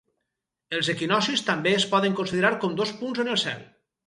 Els equinoccis també es poden considerar com dos punts en el cel.